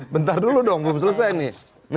bentar dulu dong belum selesai nih